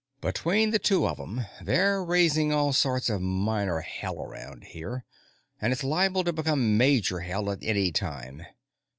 "Between the two of 'em, they're raising all sorts of minor hell around here, and it's liable to become major hell at any time.